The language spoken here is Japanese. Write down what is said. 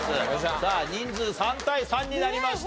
さあ人数３対３になりました。